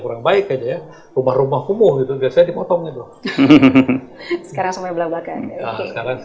kurang baik aja ya rumah rumah kumuh itu biasanya dimotong sekarang sampai belakang sekarang